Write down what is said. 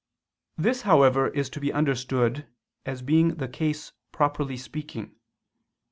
This, however, is to be understood as being the case properly speaking.